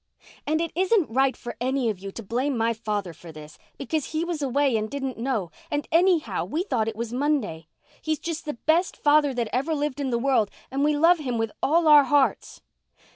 And it isn't right for any of you to blame my father for this, because he was away and didn't know, and anyhow we thought it was Monday. He's just the best father that ever lived in the world and we love him with all our hearts."